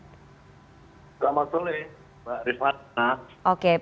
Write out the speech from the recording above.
selamat sore mbak rizwan